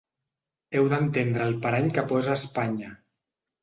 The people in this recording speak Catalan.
Heu d’entendre el parany que posa Espanya…